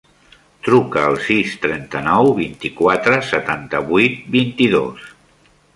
Truca al sis, trenta-nou, vint-i-quatre, setanta-vuit, vint-i-dos.